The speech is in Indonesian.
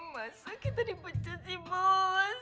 bisa kita dipencet si bos